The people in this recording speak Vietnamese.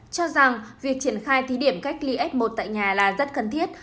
cho rằng việc triển khai thí điểm cách ly f một tại nhà là rất cần thiết